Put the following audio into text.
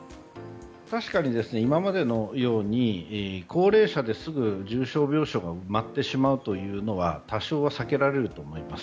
確かに今までのように高齢者で、すぐ重症病床が埋まってしまうというのは多少は避けられると思います。